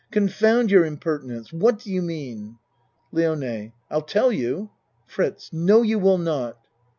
Confound your im pertinence! What do you mean? LIONE I'll tell you FRITZ No, you will not.